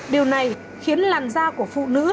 điều này khiến làn da của phụ nữ